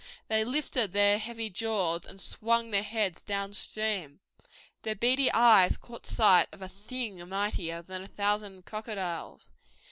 They lifted their heavy jaws and swung their heads down stream. Their beady eyes caught sight of a Thing mightier than a thousand crocodiles.